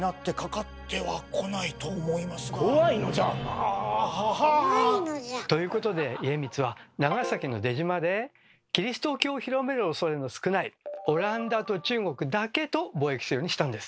あぁはは！ということで家光は長崎の出島でキリスト教を広めるおそれの少ないオランダと中国だけと貿易するようにしたんです。